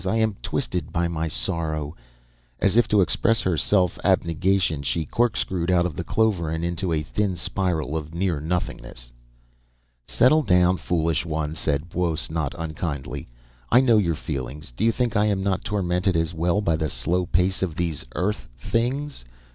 I am twisted by my sorrow ..." As if to express her self abnegation, she corkscrewed out of the clover and into a thin spiral of near nothingness. "Settle down, foolish one," said Buos, not unkindly. "I know your feelings. Do you think I am not tormented as well, by the slow pace of these Earth things?